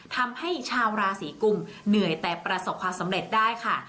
ทำให้ชาวราศีกุมเหนื่อยแต่ประสบความสำเร็จได้ค่ะ